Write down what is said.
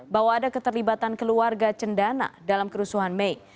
bahwa ada keterlibatan keluarga cendana dalam kerusuhan mei